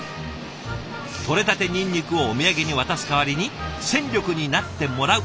取れたてニンニクをお土産に渡す代わりに戦力になってもらう。